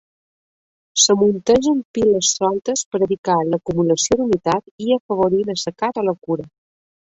S'amunteguen piles soltes per evitar l'acumulació d'humitat i afavorir l'assecat o la cura.